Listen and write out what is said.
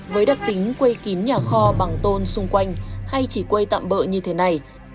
với đặc tính quây kín nhà kho bằng tôn xung quanh hay chỉ quây tạm bỡ như thế này